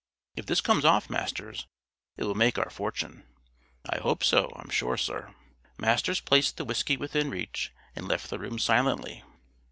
If this comes off, Masters, it will make our fortune." "I hope so, I'm sure, Sir." Masters placed the whisky within reach and left the room silently.